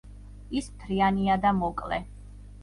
ის მთლიანია და მოკლე.